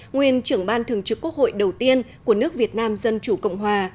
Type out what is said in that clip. nguyên trưởng ban thường trực quốc hội đầu tiên của nước việt nam dân chủ cộng hòa